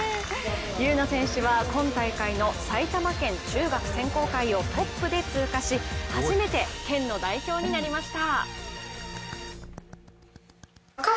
優苗選手は今大会の埼玉県中学選考会をトップで通過し、初めて県の代表になりました。